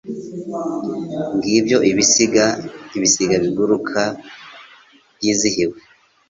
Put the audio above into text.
ngibyo ibisiga biguruka byizihiwe